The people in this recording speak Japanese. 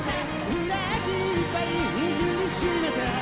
「ブレーキいっぱい握りしめて」